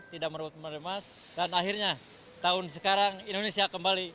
tidak merebut medali emas dan akhirnya tahun sekarang indonesia kembali